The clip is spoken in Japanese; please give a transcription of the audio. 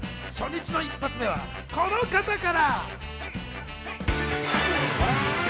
初日の１発目はこの方から。